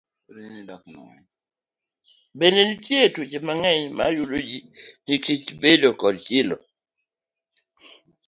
Bende, nitie tuoche mang'eny ma yudo ji nikech bedo gi chilo.